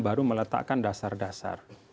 baru meletakkan dasar dasar